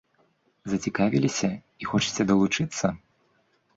Зацікавіліся і хочаце далучыцца?